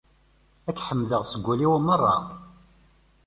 Ad k-ḥemdeɣ seg wul-iw merra.